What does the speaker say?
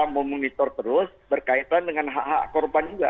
memonitor terus berkaitan dengan hak hak korban juga